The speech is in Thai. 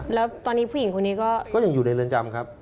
แล้วตอนนี้ผู้หญิงคนนี้ก็ยังอยู่ในเรือนจำครับ